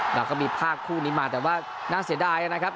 เราก็มีภาพคู่นี้มาแต่ว่าน่าเสียดายนะครับ